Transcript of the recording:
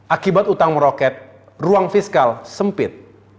akibat utang meroket ruang fiskal sempit